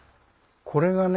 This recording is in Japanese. これがね